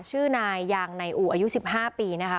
ชื่อนายยางในอูอายุ๑๕ปีนะคะ